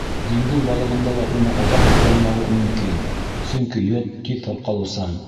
Диңгеҙ балығында ла уның оҙаҡ һаҡланмауы мөмкин, сөнки йод тиҙ тарҡалыусан.